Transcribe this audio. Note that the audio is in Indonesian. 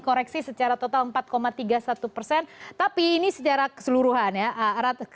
koreksi secara total empat tiga puluh satu persen tapi ini secara keseluruhan ya